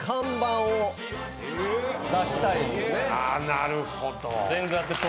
なるほど。